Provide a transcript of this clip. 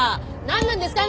何なんですか？